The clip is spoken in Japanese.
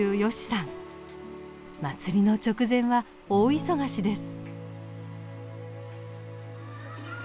祭りの直前は大忙しです。